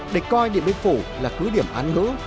địch coi điện biên phủ là cứ điểm án ngữ